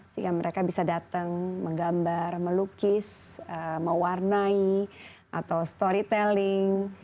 sehingga mereka bisa datang menggambar melukis mewarnai atau storytelling